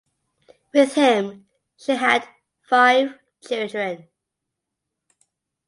With him she had five children.